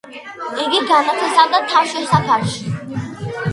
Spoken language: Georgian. იგი განთავსდა თავშესაფარში.